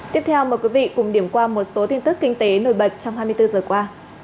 tiếp theo mời quý vị cùng điểm qua một số tin tức kinh tế nổi bật trong hai mươi bốn giờ qua